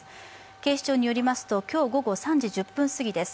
警視庁によりますと、今日午後３時１０分すぎです。